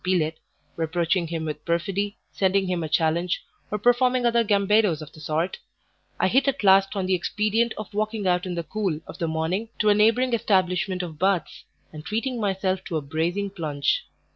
Pelet, reproaching him with perfidy, sending him a challenge, or performing other gambadoes of the sort I hit at last on the expedient of walking out in the cool of the morning to a neighbouring establishment of baths, and treating myself to a bracing plunge.